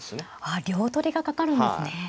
ああ両取りがかかるんですね。